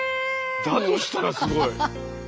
だとしたらすごい。